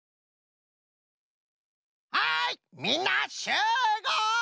はいみんなしゅうごう！